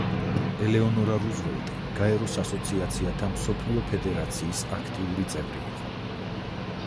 ელეონორა რუზველტი გაეროს ასოციაციათა მსოფლიო ფედერაციის აქტიური წევრი იყო.